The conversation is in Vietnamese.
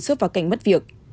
rớt vào cảnh mất việc